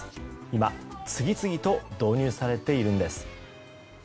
今、次々と導入されているんです。